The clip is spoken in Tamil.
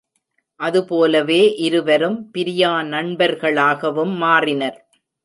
அதுபோலவே இருவரும் பிரியா நண்பர்களாகவும் மாறினர்.